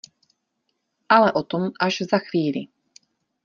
Ale o tom až za chvíli...